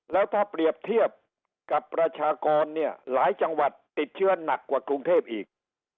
แล้วถ้าเปรียบเทียบกับประชากรเนี่ยหลายจังหวัดติดเชื้อหนักกว่ากรุงเทพอีก